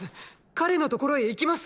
彼のところへ行きます。